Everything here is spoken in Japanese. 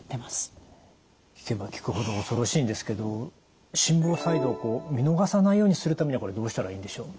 聞けば聞くほど恐ろしいんですけど心房細動見逃さないようにするためにはこれどうしたらいいんでしょう？